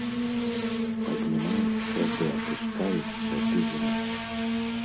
Паднімаюцца ды апускаюцца бізуны.